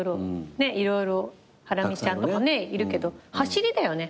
色々ハラミちゃんとかいるけどはしりだよね。